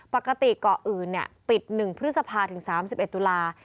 ปกติเกาะอื่นปิด๑พฤษภาถึง๓๑ตุลา